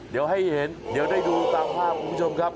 เดี๋ยวให้เห็นเดี๋ยวได้ดูตามภาพคุณผู้ชมครับ